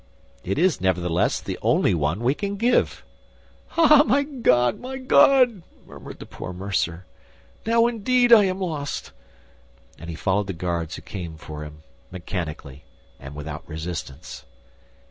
"It is, nevertheless, the only one we can give." "Ah, my God, my God!" murmured the poor mercer, "now, indeed, I am lost!" And he followed the guards who came for him, mechanically and without resistance.